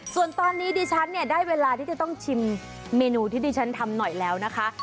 ส่วนตอนนี้ดิฉันเนี่ยได้เวลาที่จะต้องชิมเมนูที่ดิฉันทำหน่อยแล้วนะคะ